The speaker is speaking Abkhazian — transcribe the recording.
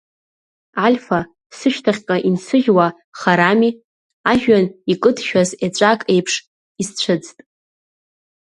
Альфа, сышьҭахьҟа инсыжьуа, харами, ажәҩан икыдшәаз еҵәак еиԥш исцәыӡт.